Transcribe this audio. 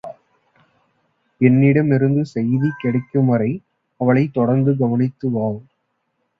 என்னிடமிருந்து செய்தி கிடைக்கும் வரை அவளைத் தொடர்ந்து கவனித்து வா.